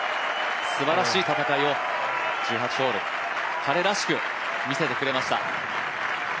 すばらしい戦いを、１８ホール彼らしく見せてくれました。